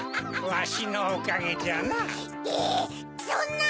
わしのおかげじゃな。